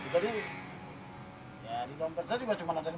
jadi ya di dompet saya juga cuma ada lima belas ribu nih